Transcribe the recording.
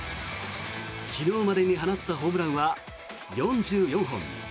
昨日までに放ったホームランは４４本。